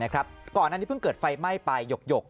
ก่อนอันนี้เพิ่งเกิดไฟไหม้ไปหยก